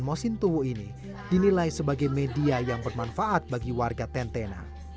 mosintowo ini dinilai sebagai media yang bermanfaat bagi warga tentena